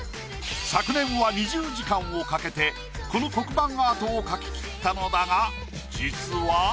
昨年は２０時間をかけてこの黒板アートを描ききったのだが実は。